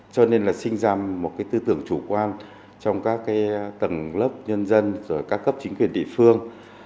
cho nên là sinh ra một tư tưởng chủ quan trong các tầng lớp nhân dân rồi các cấp chính quyền địa phương